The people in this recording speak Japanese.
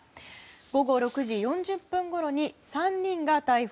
午後６時４０分ごろに３人が逮捕。